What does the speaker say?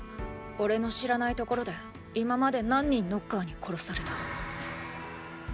おれの知らない所で今まで何人ノッカーに殺された？